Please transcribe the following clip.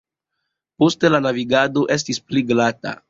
Poste la navigado estis pli glata.